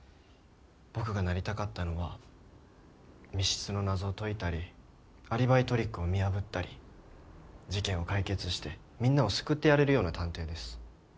僕がなりたかったのは密室の謎を解いたりアリバイトリックを見破ったり事件を解決してみんなを救ってやれるような探偵です。